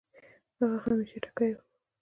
هغه همېشه ټکے وۀ